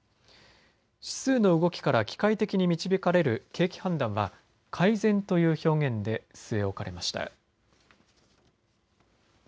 指数の動きから機械的に導かれる景気判断は改善という表現で据え置かれました。